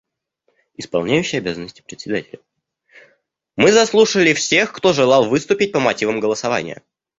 Исполняющий обязанности Председателя: Мы заслушали всех, кто желал выступить по мотивам голосования.